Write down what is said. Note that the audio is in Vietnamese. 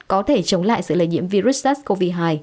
có thể chống lại sự lây nhiễm virus sars cov hai